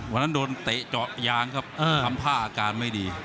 วันนั้นโดนเตะเจาะยางครับทำท่าอาการไม่ดี